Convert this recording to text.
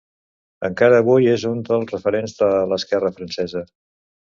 Encara avui és un dels referents de l'esquerra francesa.